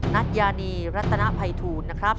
นัทยานีรัตนภัยทูลนะครับ